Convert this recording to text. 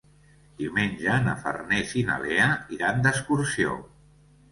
Diumenge na Farners i na Lea iran d'excursió.